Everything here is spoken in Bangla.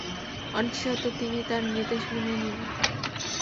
অনিচ্ছা সত্ত্বেও তিনি তাঁর নির্দেশ মেনে নিলেন।